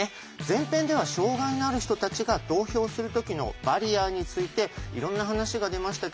前編では障害のある人たちが投票する時のバリアについていろんな話が出ましたけど皆さん覚えてますか？